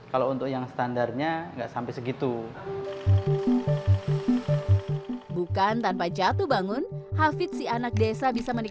paling banyak dari mana